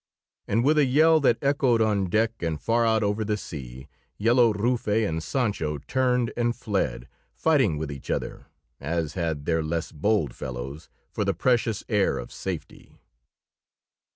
And with a yell that echoed on deck and far out over the sea, Yellow Rufe and Sancho turned and fled, fighting with each other, as had their less bold fellows, for the precious air of safety.